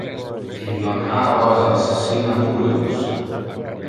Il non ha rosas sin aculeos.